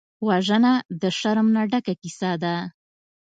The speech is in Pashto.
وژنه د شرم نه ډکه کیسه ده